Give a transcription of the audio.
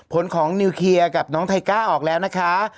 ผลของนิวเคลียร์กับน้องไทก้าออกแล้วนะคะ